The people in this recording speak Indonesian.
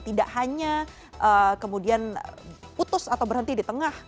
tidak hanya kemudian putus atau berhenti di tengah